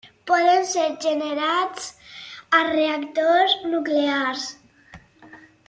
Poden ser generats a reactors nuclears.